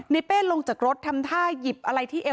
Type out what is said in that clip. เป้ลงจากรถทำท่าหยิบอะไรที่เอว